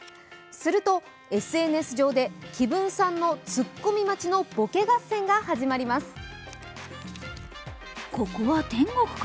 するとＳＮＳ上で、紀文さんのツッコミ待ちのボケ合戦が始まります。